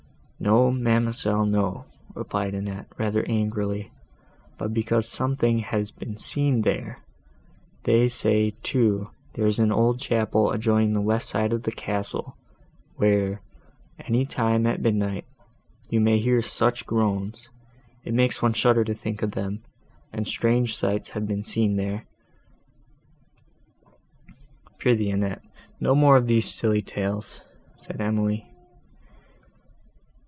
"No, ma'amselle, no;" replied Annette, rather angrily "but because something has been seen there. They say, too, there is an old chapel adjoining the west side of the castle, where, any time at midnight, you may hear such groans!—it makes one shudder to think of them!—and strange sights have been seen there—" "Pr'ythee, Annette, no more of these silly tales," said Emily.